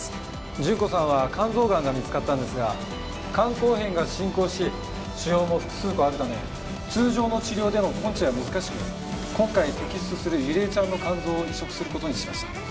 純子さんは肝臓がんが見つかったんですが肝硬変が進行し腫瘍も複数個あるため通常の治療での根治は難しく今回摘出するゆりえちゃんの肝臓を移植する事にしました。